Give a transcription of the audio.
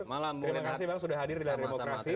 terima kasih bang sudah hadir di layar demokrasi